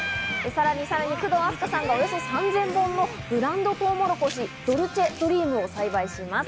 さらに工藤阿須加さんがおよそ３０００本のブランドトウモロコシ、ドルチェドリームを栽培します。